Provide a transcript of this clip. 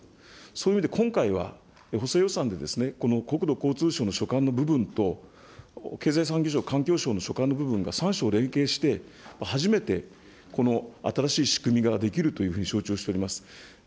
そういう意味で、今回は補正予算で、この国土交通省の所管の部分と、経済産業省、環境省の所管の部分が３省連携して、初めてこの新しい仕組みができるというふうに承知をしております。